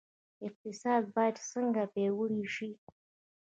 اقتصاد باید څنګه پیاوړی شي؟